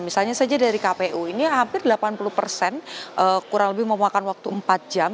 misalnya saja dari kpu ini hampir delapan puluh persen kurang lebih memakan waktu empat jam